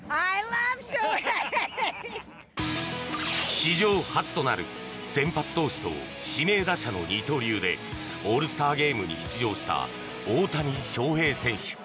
史上初となる先発投手と指名打者の二刀流でオールスターゲームに出場した大谷翔平選手。